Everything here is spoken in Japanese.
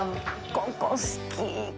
「ここ好き」